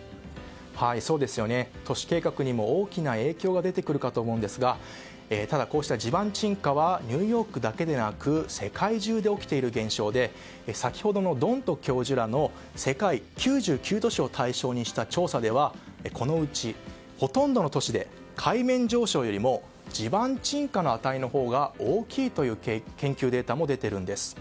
都市計画にも大きな影響が出てくるかと思うんですがただ、こうした地盤沈下はニューヨークだけでなく世界中で起きている現象で先ほどのドント教授らの世界９９都市を対象にした調査ではこのうち、ほとんどの都市で海面上昇より地盤沈下の値のほうが大きいという研究データも出ているんです。